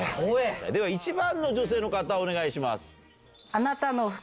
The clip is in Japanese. では１番の女性の方お願いします。